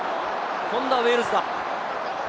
今度はウェールズだ。